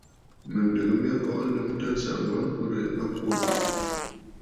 Mɨ̀ndɨgə mya kɔʼɔ lɨmtə ànsaŋ wa ŋkwerə a kwô.